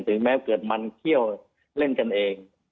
แม้เกิดมันเขี้ยวเล่นกันเอง